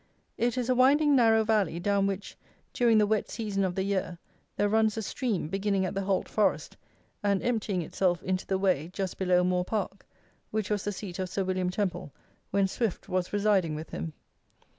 It is a winding narrow valley, down which, during the wet season of the year, there runs a stream beginning at the Holt Forest, and emptying itself into the Wey just below Moor Park, which was the seat of Sir William Temple when Swift was residing with him.